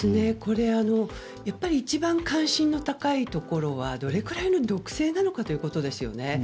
やっぱり一番関心の高いところはどれくらいの毒性なのかということですよね。